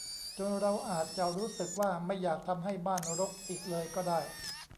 จนเราอาจจะรู้สึกว่าไม่อยากทำให้บ้านรกอีกเลยก็ได้